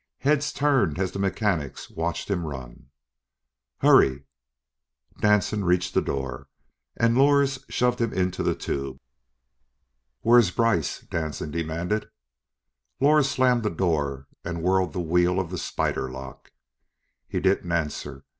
Heads turned as the mechanics watched him run. "Hurry!" Danson reached the door and Lors shoved him into the tube. "Where's Brice," Danson demanded. Lors slammed the door and whirled the wheel of the spider lock. He didn't answer.